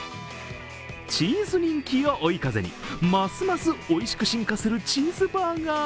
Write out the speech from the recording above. チーズ人気を追い風にますますおいしく進化するチーズバーガー。